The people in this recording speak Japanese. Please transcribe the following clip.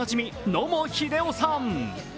野茂英雄さん。